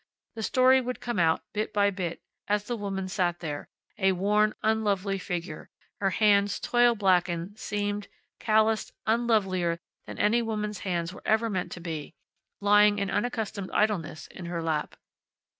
The story would come out, bit by bit, as the woman sat there, a worn, unlovely figure, her hands toil blackened, seamed, calloused, unlovelier than any woman's hands were ever meant to be lying in unaccustomed idleness in her lap.